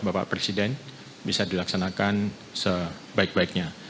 bapak presiden bisa dilaksanakan sebaik baiknya